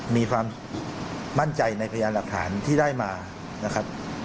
มีความมั่นใจในพยานหลักฐานที่ได้มานะครับ